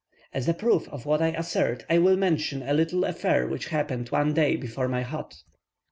As a proof of what I assert, I will mention a little affair which happened one day before my hut.